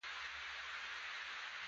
د چیلې شوره هم غیر عضوي سره ده.